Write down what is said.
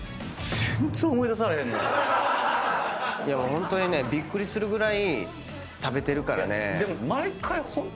ホントにねびっくりするぐらい食べてるからね。